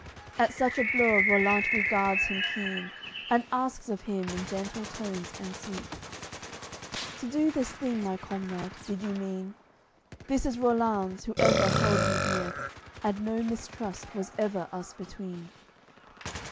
At such a blow Rollant regards him keen, And asks of him, in gentle tones and sweet: "To do this thing, my comrade, did you mean? This is Rollanz, who ever held you dear; And no mistrust was ever us between."